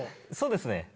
そうですね。